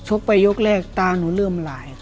ชกไปยกแรกตาหนูเริ่มหลาย